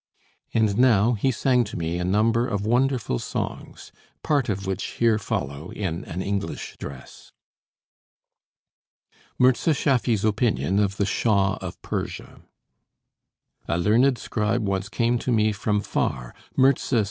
And now he sang to me a number of wonderful songs, part of which here follow in an English dress. MIRZA SCHAFFY'S OPINION OF THE SHAH OF PERSIA A learnèd scribe once came to me from far: "Mirza!"